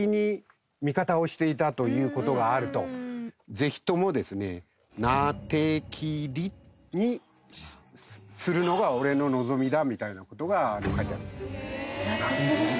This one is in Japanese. ぜひともですねなてきりにするのが俺の望みだみたいな事が書いてある。